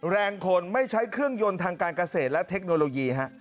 แรงคนไม่ใช้เครื่องยนต์ทางการเกษตรและเทคโนโลยี